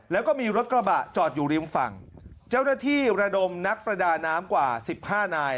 แล้วก็มีรถกระบะจอดอยู่ริมฝั่งเจ้าหน้าที่ระดมนักประดาน้ำกว่าสิบห้านาย